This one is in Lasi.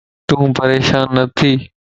تون پريشان نٿي